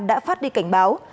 đã phát đi cảnh báo